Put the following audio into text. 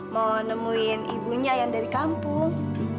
mau nemuin ibunya yang dari kampung